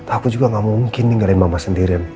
aku juga gak mungkin ninggalin mama sendirian